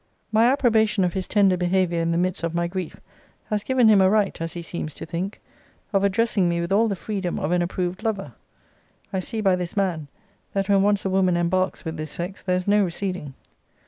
My approbation of his tender behaviour in the midst of my grief, has given him a right, as he seems to think, of addressing me with all the freedom of an approved lover. I see by this man, that when once a woman embarks with this sex, there is no receding.